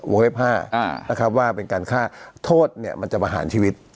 เว็บ๕นะครับว่าเป็นการฆ่าโทษเนี่ยมันจะประหารชีวิต